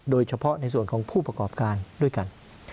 โดยเฉพาะในส่วนของผู้ประกอบการด้วยกัน